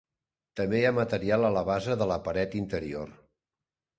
També hi ha material a la base de la paret interior.